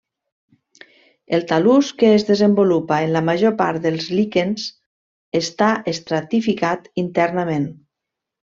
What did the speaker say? El tal·lus que es desenvolupa en la major part dels líquens està estratificat internament.